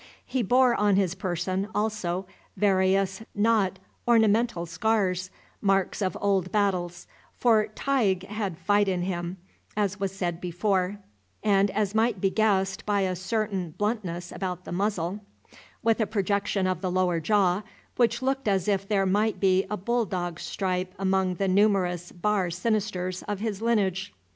He bore on his person, also, various not ornamental scars, marks of old battles; for Tige had fight in him, as was said before, and as might be guessed by a certain bluntness about the muzzle, with a projection of the lower jaw, which looked as if there might be a bull dog stripe among the numerous bar sinisters of his lineage.